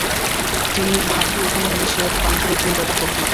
তিনি ভারতীয় উপমহাদেশের প্রাণীজগৎ নিয়ে ব্যাপক গবেষণা করেন।